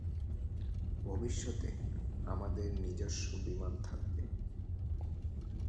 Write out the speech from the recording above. ভবিষ্যতে, আমাদেরও নিজস্ব বিমান থাকবে।